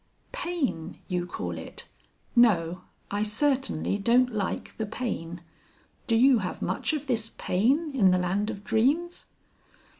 "'Pain' you call it. No, I certainly don't like the Pain. Do you have much of this Pain in the Land of Dreams?"